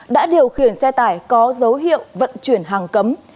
đã điều khiển xe tải có dấu hiệu vận chuyển hàng cấm